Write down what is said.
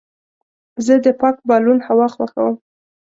زه د پاک بالون هوا خوښوم.